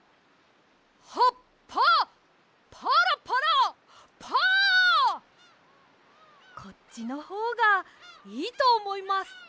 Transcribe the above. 「葉っぱパラパラパー」こっちのほうがいいとおもいます。